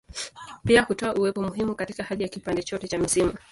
Pia hutoa uwepo muhimu katika hali ya kipande chote cha misimu.